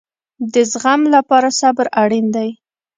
د زغم لپاره صبر اړین دی